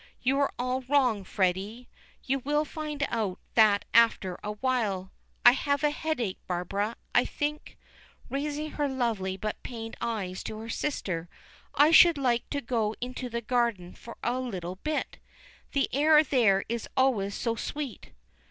You are all wrong, Freddy. You will find out that after awhile. I have a headache, Barbara. I think," raising her lovely but pained eyes to her sister, "I should like to go into the garden for a little bit. The air there is always so sweet."